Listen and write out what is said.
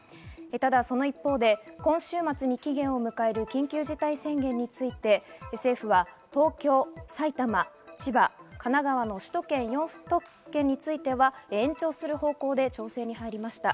ただ、その一方で今週末に期限を迎える緊急事態宣言について政府は東京、埼玉、千葉、神奈川の首都圏４都県については、延長する方向で調整に入りました。